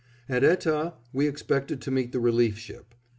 At Etah we expected to meet the relief ship.